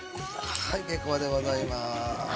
はい、結構でございます！